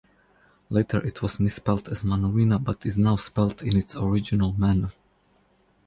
Later it was misspelt as "Manorhina", but is now spelt in its original manner.